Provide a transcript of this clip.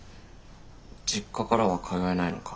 実家からは通えないのか。